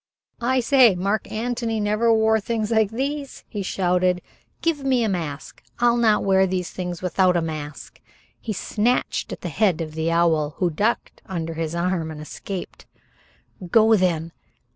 "I say! Mark Antony never wore things like these," he shouted. "Give me a mask. I'll not wear these things without a mask." He snatched at the head of the owl, who ducked under his arm and escaped. "Go then.